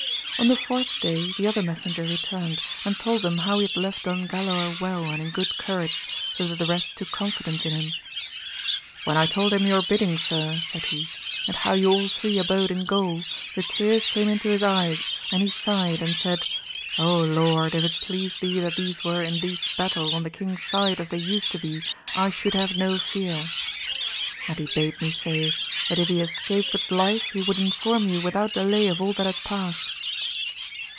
On the fourth day the other messenger returned, and told them how he had left Don Galaor well and in good courage, so that the rest took confidence in him. When I told him your bidding sir, said he, and how you all three abode in Gaul, the tears came into his eyes, and he sighed and said, Lord, if it pleased thee that these were in this battle on the king's side as they used to be, I should have no fear ! And he bade me say, that if he escaped with life he would inform you without delay of all that had passed.